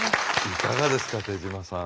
いかがですか手島さん。